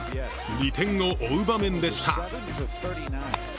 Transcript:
２点を追う場面でした。